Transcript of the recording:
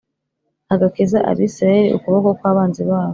agakiza Abisirayeli ukuboko kw abanzi babo